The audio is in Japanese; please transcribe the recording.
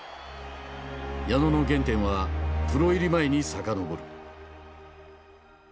矢野の原点はプロ入り前に遡る。